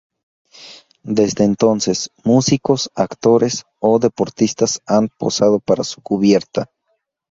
Desde entonces, músicos, actores o deportistas han posado para su cubierta.